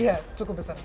iya cukup besar mas